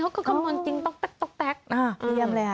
เขาก็คำนวณจริงต๊อกแป๊กต๊อกแป๊ก